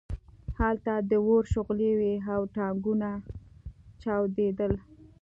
هلته د اور شغلې وې او ټانکونه چاودېدل